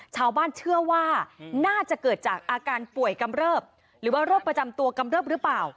ชาวบ้านเชื่อว่าน่าจะเกิดจากอาการป่วยกำเริบหรือว่าโรคประจำตัวกำเริบหรือเปล่า